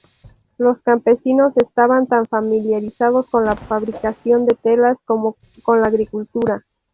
Los campesinos estaban tan familiarizados con la fabricación de telas como con la agricultura.